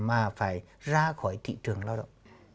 mà phải ra khỏi thị trường lao động